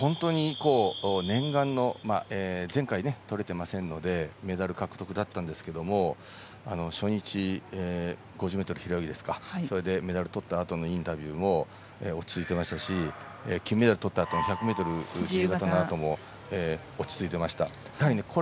前回とれていませんので本当に念願のメダル獲得だったんですけれども初日５０ｍ平泳ぎでそれでメダルをとったあとのインタビューも落ち着いていましたし金メダルをとったあとの１００ｍ自由形のあとも落ち着いてました。